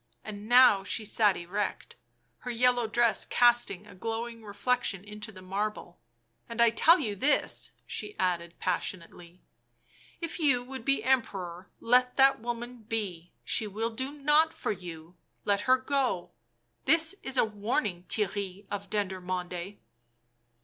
And now she sat erect, her yellow dress casting a glowing reflection into the marble. " And I tell you this," she added passionately. " If you would be Emperor, let that woman be — she will do nought for you — let her go !— this is a w r arning, Theirry of Dendermonde